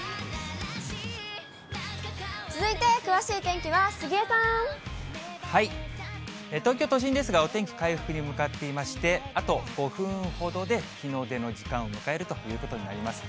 続いて、詳しい天気は杉江さ東京都心ですが、お天気回復に向かっていまして、あと５分ほどで日の出の時間を迎えるということになります。